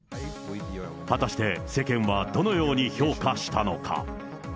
果たして世間はどのように評価したのか。